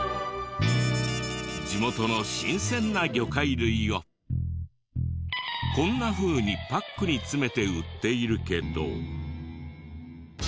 地元の新鮮な魚介類をこんなふうにパックに詰めて売っているけど。